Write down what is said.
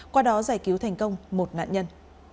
qua đó giải cứu thành công một nạn nhân